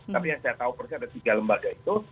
tapi yang saya tahu persis ada tiga lembaga itu